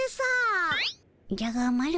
じゃがマロ